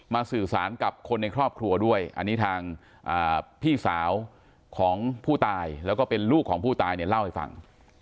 สื่อสารกับคนในครอบครัวด้วยอันนี้ทางพี่สาวของผู้ตายแล้วก็เป็นลูกของผู้ตายเนี่ยเล่าให้ฟัง